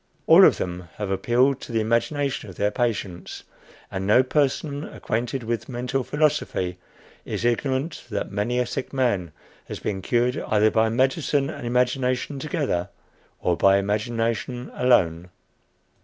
All of them have appealed to the imaginations of their patients, and no person acquainted with mental philosophy is ignorant that many a sick man has been cured either by medicine and imagination together, or by imagination alone.